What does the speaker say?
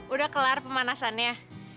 udah kelar pemanasannya